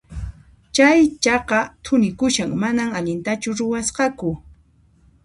Chay chaka thunikushan, manan allintachu ruwasqaku.